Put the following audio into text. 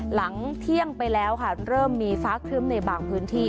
หลังเที่ยงไปแล้วค่ะเริ่มมีฟ้าครึ้มในบางพื้นที่